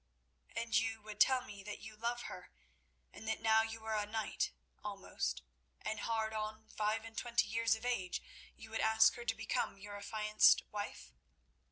"And you would tell me that you love her, and that now you are a knight—almost—and hard on five and twenty years of age, you would ask her to become your affianced wife?"